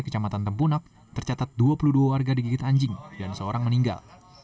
kecamatan tempunak tercatat dua puluh dua warga digigit anjing dan seorang meninggal